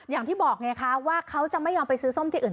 อย่างที่บอกไงคะว่าเขาจะไม่ยอมไปซื้อส้มที่อื่น